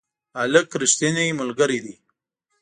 هلک رښتینی ملګری دی.